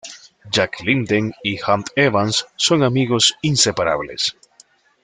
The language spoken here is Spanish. Jack Linden y Hank Evans son amigos inseparables.